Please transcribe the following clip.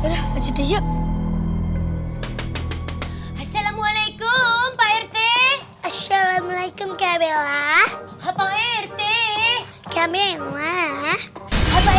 hai udah aja diup assalamualaikum pak rt assalamualaikum kb lah apa rt kb lah apa